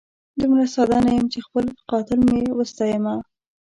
دومره ساده نه یم چي خپل قاتل مي وستایمه